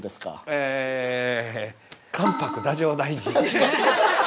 ◆ええ、関白太政大臣。